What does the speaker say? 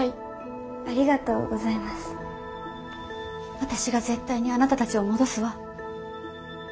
私が絶対にあなたたちを戻すわ。